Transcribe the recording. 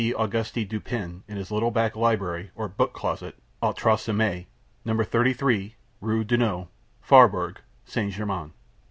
Auguste Dupin, in his little back library, or book closet, au troisième, No. 33 Rue Dunôt, Faubourg St. Germain.